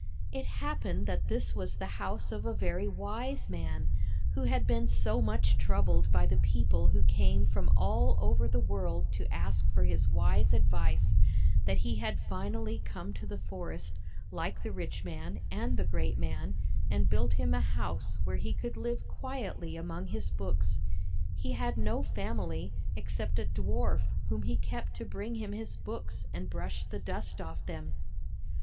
It happened that this was the house of a very wise man, who had been so much troubled by the people who came from all over the world to ask for his wise advice, that he had finally come to the forest, like the rich man and the great man, and built him a house where he could live quietly among. THE BAG OF SMILES his books. He had no family, except a dwarf whom he kept to bring him his books and brush the dust off them.